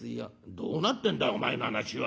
「どうなってんだお前の話は」。